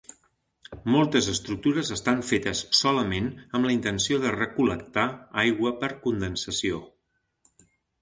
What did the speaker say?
Moltes estructures estan fetes solament amb la intenció de recol·lectar aigua per condensació.